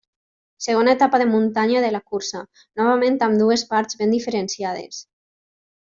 Segona etapa de muntanya de la cursa, novament amb dues parts ben diferenciades.